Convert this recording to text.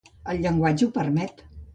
El llenguatge ho permet.